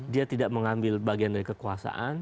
dia tidak mengambil bagian dari kekuasaan